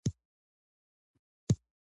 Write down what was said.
که تاسو غواړئ نو د نورو معلوماتو پوښتنه وکړئ.